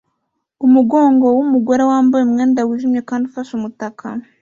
Umugongo wumugore wambaye umwenda wijimye kandi ufashe umutaka